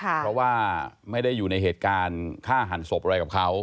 เพราะว่าไม่ได้อยู่ในเหตุการณ์ฆ่าหันศพอะไรกับเขา